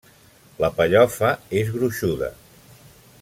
La pellofa és gruixuda.